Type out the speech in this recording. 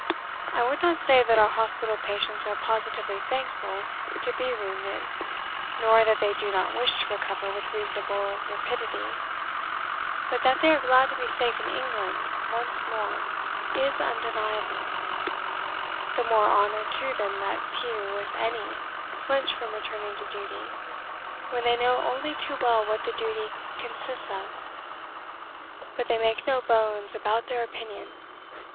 I would not say that our hospital patients are positively thankful to be wounded, nor that they do not wish to recover with reasonable rapidity. But that they are glad to be safe in England once more is undeniable. The more honour to them that few, if any, flinch from returning to duty when they know only too well what that duty consists of. But they make no bones about their opinion.